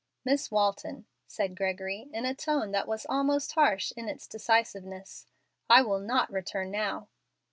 "Miss Walton," said Gregory, in a tone that was almost harsh in its decisiveness, "I will not return now."